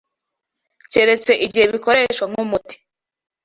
keretse igihe bikoreshwa nk’umuti